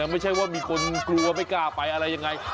ไม่ใช่ว่ามีคนกลัวไม่กล้าไปอะไรยังไง